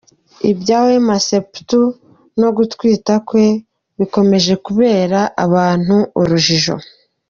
Ibya Wema Sepetu no gutwita kwe bikomeje kubera abantu urujijo.